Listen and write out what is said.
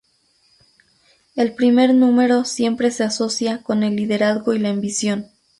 El primer número siempre se asocia con el liderazgo y la ambición.